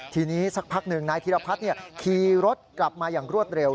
ทีนี้สักพักหนึ่งนายธิรพัฒน์ขี่รถกลับมาอย่างรวดเร็ว